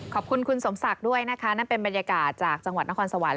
ขอบคุณคุณสมศักดิ์ด้วยนะคะนั่นเป็นบรรยากาศจากจังหวัดนครสวรรค